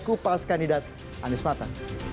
kupas kandidat anies mata